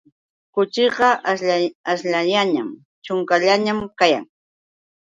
Kuchiqa aśhllayanñam, ćhunkallañam kayan.